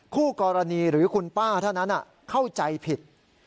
คู่กรณีหรือคุณป้าเท่านั้นเข้าใจผิด